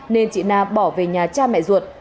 nên chị na bỏ về nhà cha mẹ ruột